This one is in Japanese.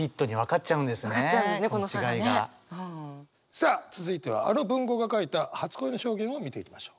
さあ続いてはあの文豪が書いた初恋の表現を見ていきましょう。